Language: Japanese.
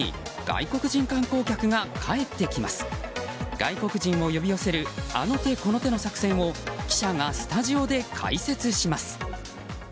外国人を呼び寄せるあの手この手の作戦を記者がスタジオで解説します。